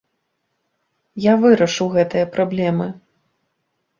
Я вырашу гэтыя праблемы.